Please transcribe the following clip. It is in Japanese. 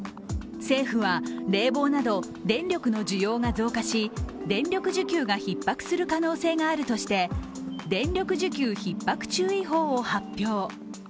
政府は冷房など電力の需要が増加し、電力需給がひっ迫する可能性があるとして電力需給ひっ迫注意報を発表。